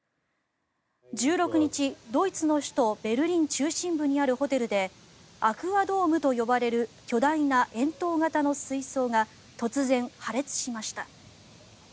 １６日、ドイツの首都ベルリン中心部にあるホテルでアクア・ドームと呼ばれる巨大な円筒型の水槽が突然、破裂しました。